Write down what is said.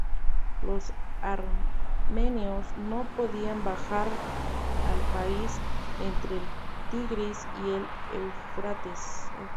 Los armenios no podían bajar al país entre el Tigris y el Éufrates.